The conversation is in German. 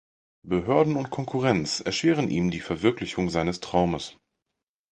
Behörden und Konkurrenz erschweren ihm die Verwirklichung seines Traumes.